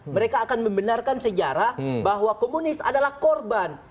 mereka akan membenarkan sejarah bahwa komunis adalah korban